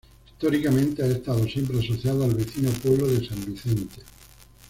Históricamente, ha estado siempre asociado al vecino pueblo de San Vicente.